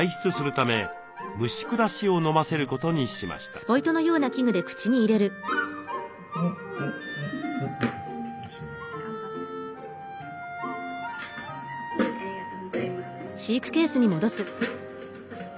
そこでありがとうございます。